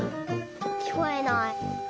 きこえない。